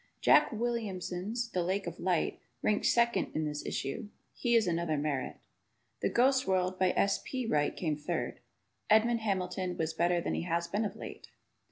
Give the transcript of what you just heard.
Jack Williamson's "The Lake of Light" ranked second in this issue. He is another Merritt. "The Ghost World," by S. P. Wright, came third. Edmond Hamilton was better than he has been of late.